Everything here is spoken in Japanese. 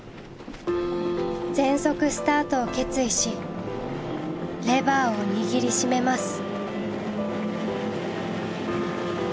全速スタートを決意しレバーを握り締めます。